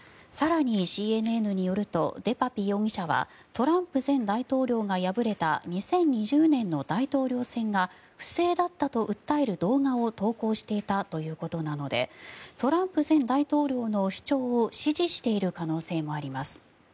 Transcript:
更に、ＣＮＮによるとデパピ容疑者はトランプ前大統領が敗れた２０２０年の大統領選が不正だったと訴える動画を投稿していたということなのでトランプ前大統領の主張を支持している可能性もあります。